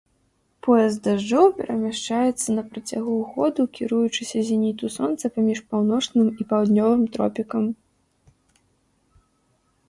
Пояс дажджоў перамяшчаецца на працягу года кіруючыся зеніту сонца паміж паўночным і паўднёвым тропікам.